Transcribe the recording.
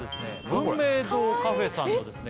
文明堂カフェさんのですね